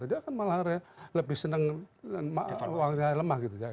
dia kan malah lebih seneng wang jahe lemah